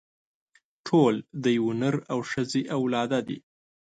ټول د يوه نر او ښځې اولاده دي.